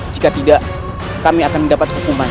jika tidak kami akan mendapat hukuman